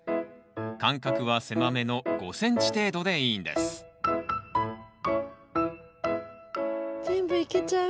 間隔は狭めの５ｃｍ程度でいいんです全部いけちゃう。